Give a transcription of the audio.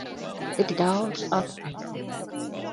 Tik daudz atmiņu.